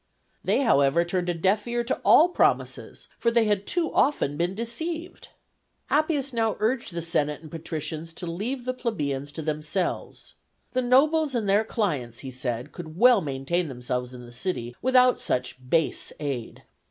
They, however, turned a deaf ear to all promises, for they had too often been deceived. Appius now urged the senate and patricians to leave the plebeians to themselves. The nobles and their clients, he said, could well maintain themselves in the city without such base aid.